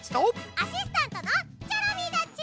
アシスタントのチョロミーだっち！